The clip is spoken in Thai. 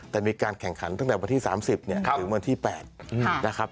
แต่มีการแข่งขันตั้งแต่วันที่๓๐ถึงวันที่๘นะครับ